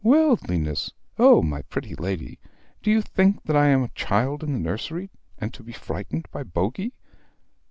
"Worldliness. Oh, my pretty lady! Do you think that I am a child in the nursery, and to be frightened by Bogey!